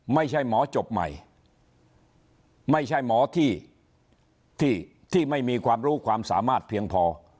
ไม่ใช่หมอจบใหม่ไม่ใช่หมอที่ไม่มีความรู้ความสามารถเพียงพอ